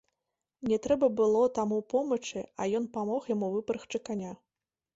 Не трэба было таму помачы, а ён памог яму выпрагчы каня.